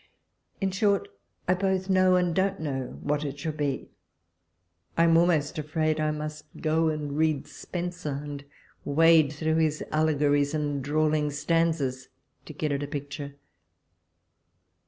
In short, I both know, and don't know what it should be. I am almost afraid I must go and read Spenser, and wade through his allegories, and drawling stanzas, to get at a picture.